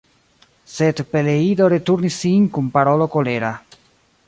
Sed Peleido returnis sin kun parolo kolera.